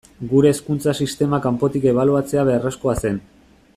Gure hezkuntza sistema kanpotik ebaluatzea beharrezkoa zen.